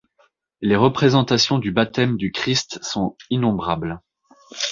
Les représentations du baptême du Christ sont innombrables.